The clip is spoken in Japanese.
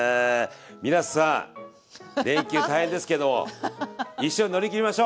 皆さん連休大変ですけども一緒に乗り切りましょう！